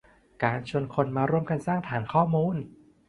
การชวนคนมาร่วมกันสร้างฐานข้อมูล